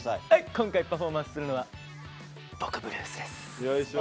今回パフォーマンスするのは「ボクブルース」です。